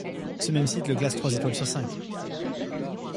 Ce même site le classe trois étoiles sur cinq.